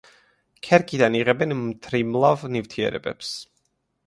ქერქიდან იღებენ მთრიმლავ ნივთიერებებს.